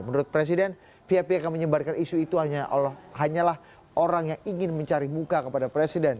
menurut presiden pihak pihak yang menyebarkan isu itu hanyalah orang yang ingin mencari muka kepada presiden